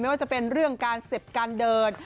ว่าจะเป็นเรื่องการเสพการเดิน